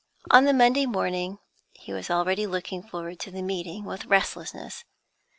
On the Monday he was already looking forward to the meeting with restlessness.